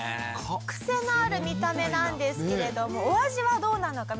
クセのある見た目なんですけれどもお味はどうなのか